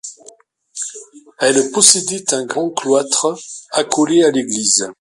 Elle possédait un grand cloitre accolé à l'église.